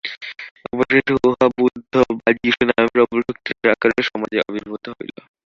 অবশেষে উহা বুদ্ধ বা যীশু নামে প্রবল শক্তির আকারে সমাজে আবির্ভূত হইল।